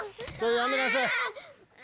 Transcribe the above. やめなさい。